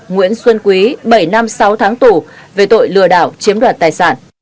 nguyễn xuân quý bảy năm sáu tháng tù về tội lừa đảo chiếm đoạt tài sản